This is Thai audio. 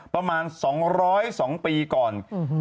ประมาณ๒๐๒ปีก่อน